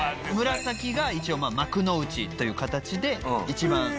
紫が一応幕の内という形で一番。